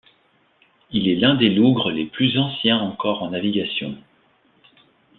Il est l'un des lougres les plus anciens encore en navigation.